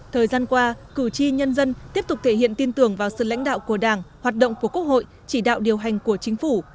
thời gian qua cử tri nhân dân tiếp tục thể hiện tin tưởng vào sự lãnh đạo của đảng hoạt động của quốc hội chỉ đạo điều hành của chính phủ